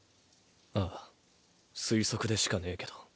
ああ推測でしかねェけど。